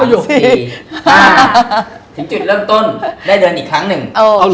ถึงจุดเริ่มต้นได้เดินอีกครั้งหนึ่ง